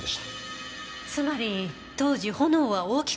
つまり当時炎は大きく煽られた。